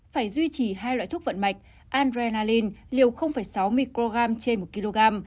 phải duy trì hai loại thuốc vận mạch andrenalin liều sáu microgram trên một kg